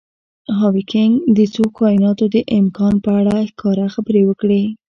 هاوکېنګ د څو کایناتونو د امکان په اړه ښکاره خبرې وکړي.